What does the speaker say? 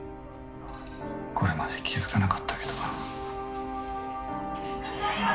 これまで気付かなかったけど。